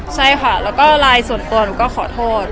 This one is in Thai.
ใช่ค่ะแล้วก็ไลน์ส่วนตัวหนูก็ขอโทษ